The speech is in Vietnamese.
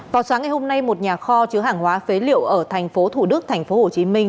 vào sáng ngày hôm nay một nhà kho chứa hàng hóa phế liệu ở thành phố thủ đức thành phố hồ chí minh